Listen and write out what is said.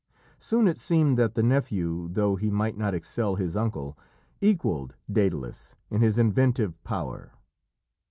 Soon it seemed that the nephew, though he might not excel his uncle, equalled Dædalus in his inventive power.